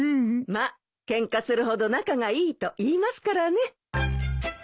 まあケンカするほど仲がいいといいますからね。